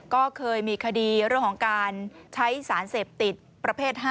ก็เคยมีคดีเรื่องของการใช้สารเสพติดประเภท๕